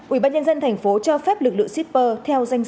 ubnd tp hcm cho phép lực lượng shipper